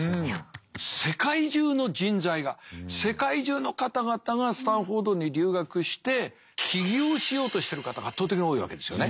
世界中の人材が世界中の方々がスタンフォードに留学して起業しようとしてる方が圧倒的に多いわけですよね。